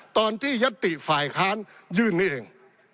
ตอนที่ยัตติฝ่ายค้านยื่นนี้เอง